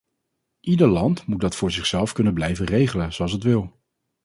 Ieder land moet dat voor zichzelf kunnen blijven regelen zoals het wil.